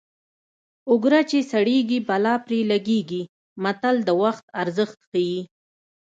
اوګره چې سړېږي بلا پرې لګېږي متل د وخت ارزښت ښيي